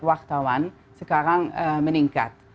wartawan sekarang meningkat